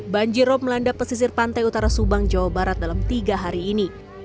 banjirop melanda pesisir pantai utara subang jawa barat dalam tiga hari ini